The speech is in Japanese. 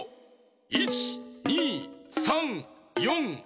１２３４５６。